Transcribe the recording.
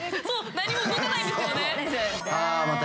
何も動かないんですよね。